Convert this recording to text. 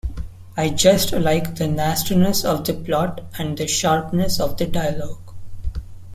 I just like the nastiness of the plot and the sharpness of the dialogue.